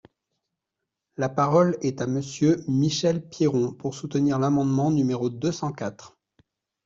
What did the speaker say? La parole est à Monsieur Michel Piron, pour soutenir l’amendement numéro deux cent quatre.